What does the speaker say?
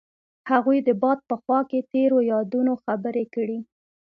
هغوی د باد په خوا کې تیرو یادونو خبرې کړې.